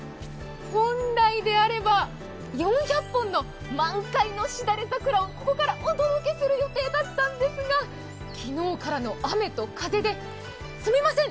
本来であれば４００本の満開のシダレザクラをここからお届けする予定だったんですが、昨日からの雨と風で、すみません！